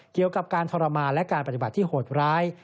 เกี่ยวกับการทรมานและการปฏิบัติที่โหดร้าย